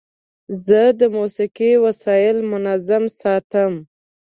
زه د موسیقۍ وسایل منظم ساتم.